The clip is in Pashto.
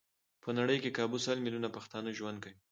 په نړۍ کې کابو سل ميليونه پښتانه ژوند کوي.